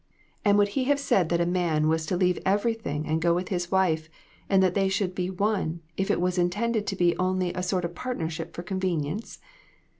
And would he have said that a man was to leave everything and go with his wife, and that they should be one, if it was intended to be only a sort of partnership for convenience?